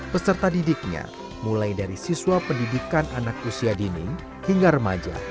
peserta didiknya mulai dari siswa pendidikan anak usia dini hingga remaja